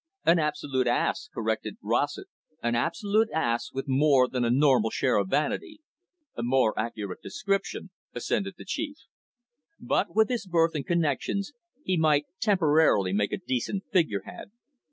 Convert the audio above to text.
"An absolute ass," corrected Rossett, "an absolute ass, with more than a normal share of vanity." "A most accurate description," assented the chief. "But, with his birth and connections, he might temporarily make a decent figurehead.